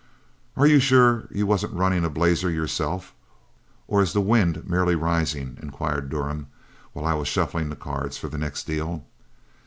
'" "Are you sure you wasn't running a blazer yourself, or is the wind merely rising?" inquired Durham, while I was shuffling the cards for the next deal.